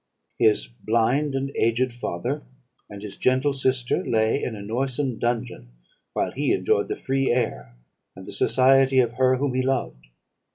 His blind and aged father, and his gentle sister, lay in a noisome dungeon, while he enjoyed the free air, and the society of her whom he loved.